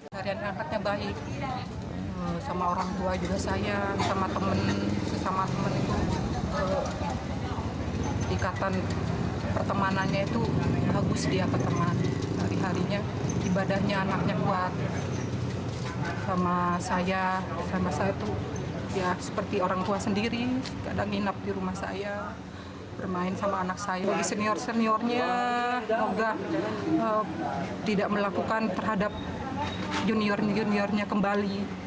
saya bermain sama anak saya lagi senior seniornya tidak melakukan terhadap junior juniornya kembali